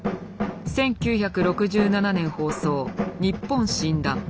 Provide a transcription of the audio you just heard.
１９６７年放送「にっぽん診断」。